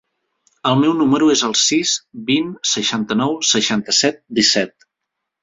El meu número es el sis, vint, seixanta-nou, seixanta-set, disset.